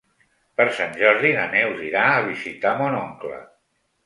Per Sant Jordi na Neus irà a visitar mon oncle.